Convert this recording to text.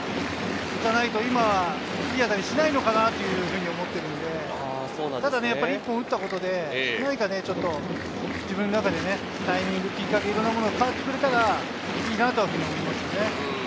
じゃないと今はいい当たりしないのかなというふうに思っているので、ただ１本を打ったことで、何かちょっと自分の中でタイミング、きっかけ、いろいろなものが変わってくれたらいいなと思います。